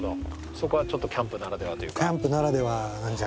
そこはちょっとキャンプならではというか。